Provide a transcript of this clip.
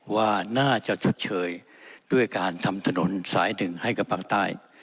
ว่าน่าจะชดเชยด้วยการทำถนนสายหนึ่งให้กับภาคใต้